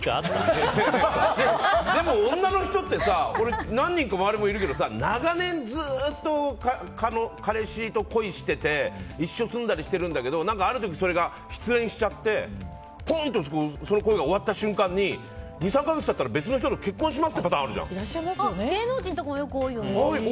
でも女の人って周りに何人かいるけど長年ずっと彼氏と恋してて一緒に住んだりしてるんだけどある時それが失恋しちゃってぽんとその恋が終わった瞬間に２３か月経ったら別の人と結婚しますっていう芸能人とかも多いよね。